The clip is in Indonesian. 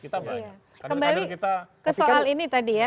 kembali ke soal ini tadi ya